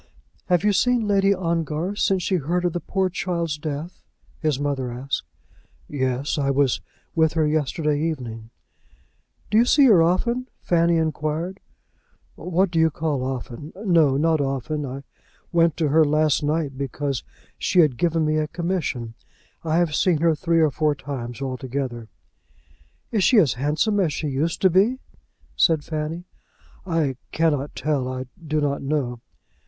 "Have you seen Lady Ongar since she heard of the poor child's death?" his mother asked. "Yes, I was with her yesterday evening." "Do you see her often?" Fanny inquired. "What do you call often? No; not often. I went to her last night because she had given me a commission. I have seen her three or four times altogether." "Is she as handsome as she used to be?" said Fanny. "I cannot tell; I do not know."